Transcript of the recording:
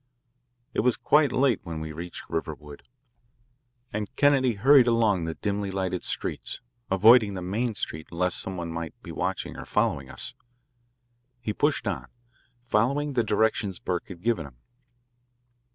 It was quite late when we reached Riverwood, and Kennedy hurried along the dimly lighted streets, avoiding the main street lest some one might be watching or following us. He pushed on, following the directions Burke had given him.